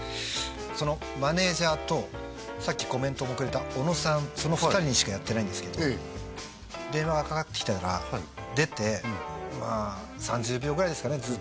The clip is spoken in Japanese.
そのマネージャーとさっきコメントもくれた小野さんその２人にしかやってないんですけど電話がかかってきたら出てまあ３０秒ぐらいですかね